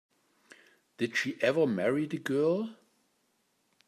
Did she ever marry the girl?